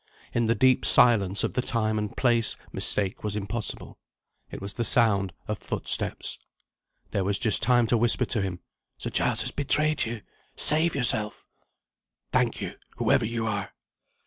In the deep silence of the time and place mistake was impossible. It was the sound of footsteps. There was just time to whisper to him: "Sir Giles has betrayed you. Save yourself." "Thank you, whoever you are!"